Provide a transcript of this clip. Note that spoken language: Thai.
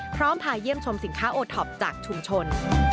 พาเยี่ยมชมสินค้าโอท็อปจากชุมชน